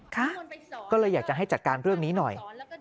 ค่ะก็เลยอยากจะให้จัดการเรื่องนี้หน่อย